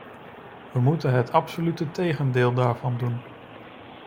We moeten het absolute tegendeel daarvan doen.